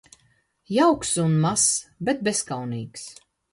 Jauks un mazs, bet bezkaunīgs